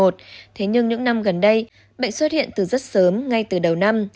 thế nhưng những năm gần đây bệnh xuất hiện từ rất sớm ngay từ đầu năm